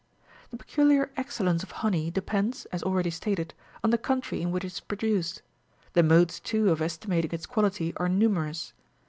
The peculiar excellence of honey depends, as already stated,33 on the country in which it is produced ; the modes, too, of estimating its quality are numerous.